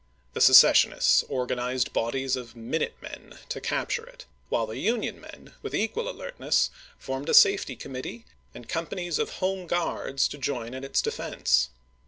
The secessionists organized bodies of "Minute men" to capture it, while the Union men with equal alertness formed a safety committee, and com panies of Home Gruards to join in its defense.